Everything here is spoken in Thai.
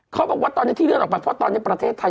เขาบอกว่าตอนนี้ที่เลื่อนออกไปเพราะตอนนี้ประเทศไทย